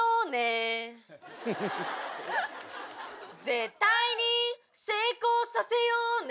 絶対に成功させようね